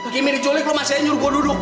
kimi diculik lo masihnya nyuruh gue duduk